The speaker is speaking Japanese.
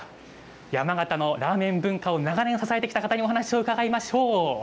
山形のラーメン文化を長年支えてきた方にお話を伺いましょう。